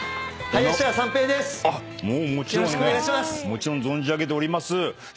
もちろん存じ上げております。